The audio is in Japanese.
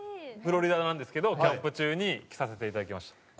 フロリダなんですけどキャンプ中に着させて頂きました。